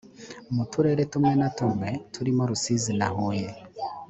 mu turere tumwe na tumwe turimo rusizi na huye